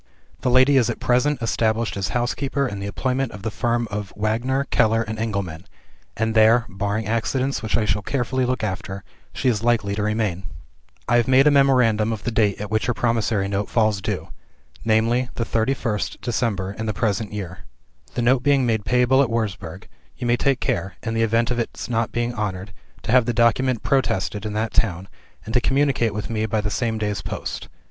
"The lady is at present established as housekeeper in the employment of the firm of Wagner, Keller, and Engelman; and there (barring accidents, which I shall carefully look after) she is likely to remain. "I have made a memorandum of the date at which her promissory note falls due viz., the 31st December in the present year. The note being made payable at Wurzburg, you must take care (in the event of its not being honored) to have the document protested in that town, and to communicate with me by the same day's post.